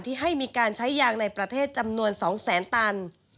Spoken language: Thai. ให้มีการใช้ยางในประเทศจำนวน๒แสนตัน